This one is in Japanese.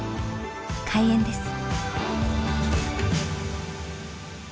開演です。